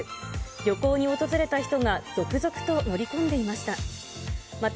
旅行に訪れた人が続々と乗り込んでいました。